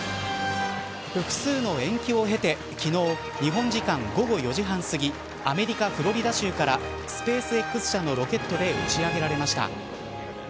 複数の延期を経て昨日、日本時間午後４時半すぎアメリカ、フロリダ州からスペースＸ社のロケットで打ち上げられました。